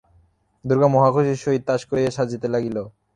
-দুর্গা মহাখুশির সহিত তাস কুড়াইয়া সাজাইতে লাগিল।